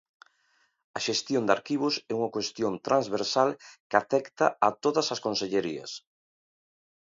A xestión de arquivos é unha cuestión transversal, que afecta a todas as consellerías.